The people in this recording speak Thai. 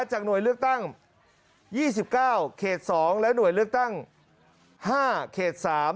จากหน่วยเลือกตั้ง๒๙เขต๒และหน่วยเลือกตั้ง๕เขต๓